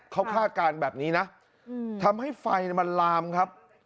เขาคาดการณ์แบบนี้นะทำให้ไฟมันลามครับ